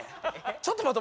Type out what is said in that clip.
ちょっと待って。